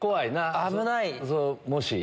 危ない！